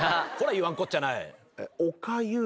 言わんこっちゃない。